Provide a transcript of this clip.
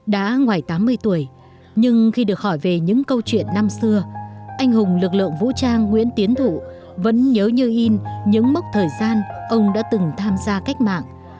đã ngoài tám mươi tuổi nhưng khi được hỏi về những câu chuyện năm xưa anh hùng lực lượng vũ trang nguyễn tiến thủ vẫn nhớ như in những mốc thời gian ông đã từng tham gia cách mạng